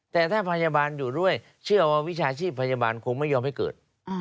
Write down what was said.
แต่ถ้าพยาบาลอยู่ด้วยเชื่อว่าวิชาชีพพยาบาลคงไม่ยอมให้เกิด